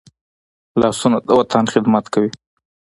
لاسونه د وطن خدمت کوي